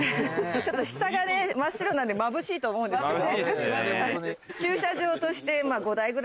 ちょっと下が真っ白なんでまぶしいと思うんですけど。